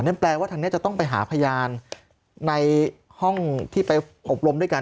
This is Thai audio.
แปลว่าทางนี้จะต้องไปหาพยานในห้องที่ไปอบรมด้วยกัน